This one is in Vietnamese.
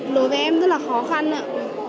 đối với em rất là khó khăn ạ